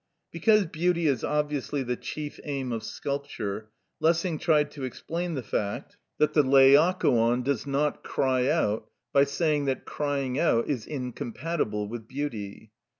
Because beauty is obviously the chief aim of sculpture, Lessing tried to explain the fact that the Laocoon does not cry out, by saying that crying out is incompatible with beauty.